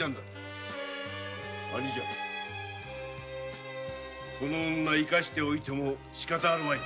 兄上この女生かしておいてもしかたあるまい。